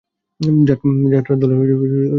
যাত্রার দলে ঢুকলি কেন?